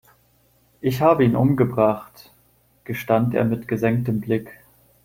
Ich habe ihn umgebracht, gestand er mit gesenktem Blick.